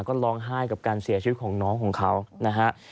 ก็ร้องไห้กับการเสียชีวิตของน้องของเขานะฮะ